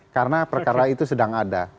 karena perkara itu sedang ada